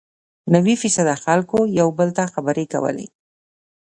نوي فیصده خلکو یو او بل ته خبرې کولې.